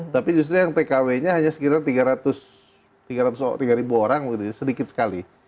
tapi justru yang tkwnya sekitar tiga ratus ribu orang sedikit sekali